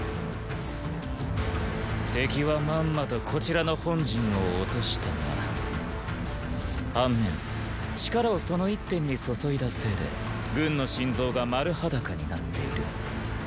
⁉敵はまんまとこちらの本陣を落としたが反面力をその一点に注いだせいで軍の心臓が丸裸になっている。